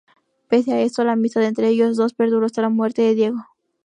Pese a esto, la amistad entre ellos dos perduró hasta la muerte de Diego.